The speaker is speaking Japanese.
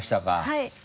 はい。